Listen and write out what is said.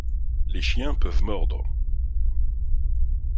Les chiens peuvent mordre.